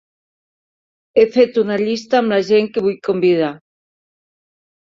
He fet una llista amb la gent que vull convidar.